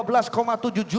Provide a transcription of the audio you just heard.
wah keren banget ya